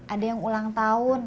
ada yang ulang tahun